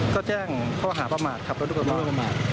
ก็แจ้งข้อหาประมาทขับรถโดยประมาท